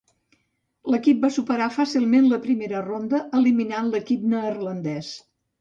L'equip va superar fàcilment la primera ronda eliminant l'equip neerlandès.